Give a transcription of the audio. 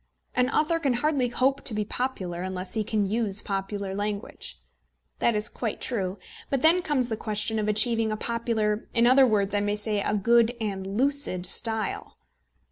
An author can hardly hope to be popular unless he can use popular language. That is quite true; but then comes the question of achieving a popular in other words, I may say, a good and lucid style.